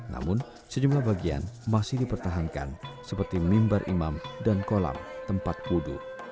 namun sejumlah bagian masih dipertahankan seperti mimbar imam dan kolam tempat wudhu